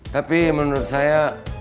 tapi menurut saya